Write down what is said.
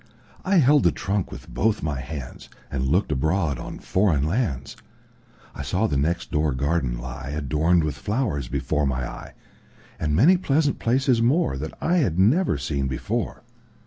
I held the trunk with both my handsAnd looked abroad on foreign lands.I saw the next door garden lie, Adorned with flowers, before my eye, And many pleasant places moreThat I had never seen before.